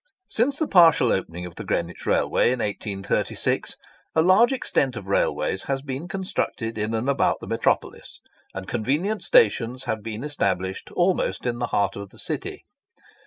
Since the partial opening of the Greenwich Railway in 1836, a large extent of railways has been constructed in and about the metropolis, and convenient stations have been established almost in the heart of the City.